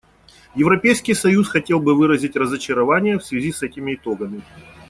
Европейский союз хотел бы выразить разочарование в связи с этими итогами.